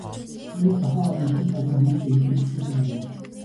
Иймээс, тухайн улс үндэстний соёл нь хүмүүсээ, иргэдээ бүтээж байгаа хэрэг юм.